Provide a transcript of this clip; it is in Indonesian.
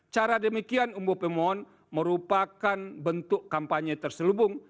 cara demikian umbuh pemohon merupakan bentuk kampanye terselubung